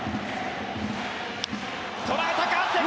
捉えたか！